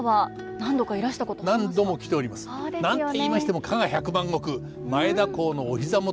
何といいましても加賀百万石前田公のお膝元です。